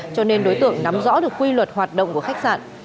cho nên đối tượng nắm rõ được quy luật hoạt động của khách sạn